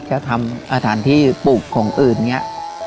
จะทำอาหารที่ปลูกของอื่นเนี่ย